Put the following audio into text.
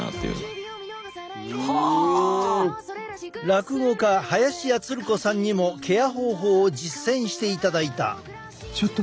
落語家林家つる子さんにもケア方法を実践していただいた。